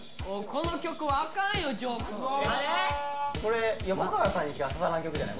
これ横川さんにしか刺さらん曲じゃない？